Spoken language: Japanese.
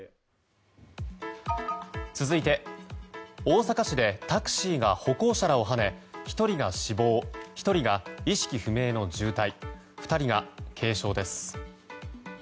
続いて大阪市でタクシーが歩行者らをはね１人が死亡１人が意識不明の重体２人が軽傷です。